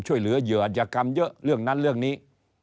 ช่วยเหลือเยอะอาจจะกำเยอะเรื่องนั้นเรื่องนี้